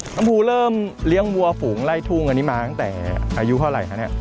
ภูเริ่มเลี้ยงวัวฝูงไล่ทุ่งอันนี้มาตั้งแต่อายุเท่าไหร่คะเนี่ย